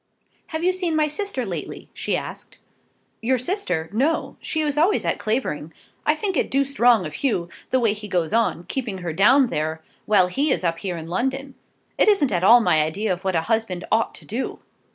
"Have you seen my sister lately?" she asked. "Your sister? no. She is always at Clavering. I think it doosed wrong of Hugh, the way he goes on, keeping her down there, while he is up here in London. It isn't at all my idea of what a husband ought to do."